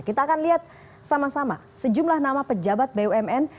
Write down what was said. kita akan lihat sama sama sejumlah nama pejabat bumn